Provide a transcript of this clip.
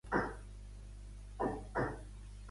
Al mestre Joao li agrada la xistorra de Bilbao.